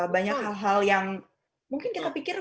banyak hal hal yang mungkin kita pikir